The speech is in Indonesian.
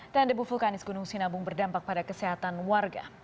dan debu vulkanis gunung sinabung berdampak pada kesehatan warga